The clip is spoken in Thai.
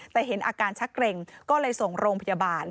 แต่เห็นอาการชักเกร็งก็เลยส่งโรงพยาบาล